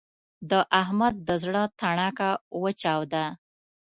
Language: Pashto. د احمد د زړه تڼاکه وچاوده.